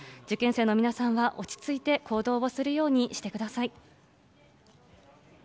受験生の皆さんは落ち着いて行動をするようにしてください。